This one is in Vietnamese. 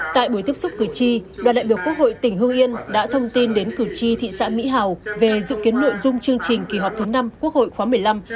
tại buổi tiếp xúc cử tri đoàn đại biểu quốc hội tỉnh hương yên đã thông tin đến cử tri thị xã mỹ hào về dự kiến nội dung chương trình kỳ họp thứ năm quốc hội khóa một mươi năm